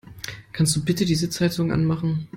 Kannst du bitte die Sitzheizung anmachen?